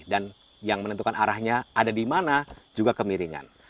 dan yang menentukan arahnya ada di mana juga kemiringan